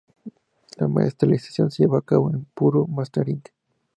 La masterización se llevó a cabo en Puro Mastering.